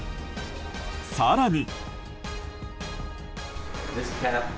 更に。